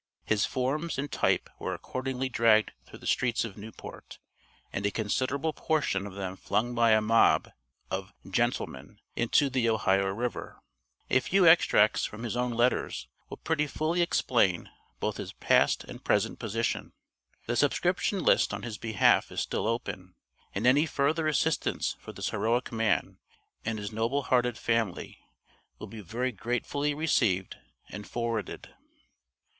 His forms and type were accordingly dragged through the streets of Newport, and a considerable portion of them flung by a mob (of "gentlemen") into the Ohio River. A few extracts from his own letters will pretty fully explain both his past and present position. The subscription list on his behalf is still open, and any further assistance for this heroic man and his noble hearted family will be very gratefully received and forwarded.